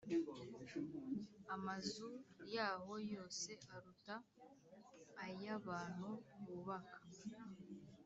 Amazu yaho yose aruta ay’abantu bubaka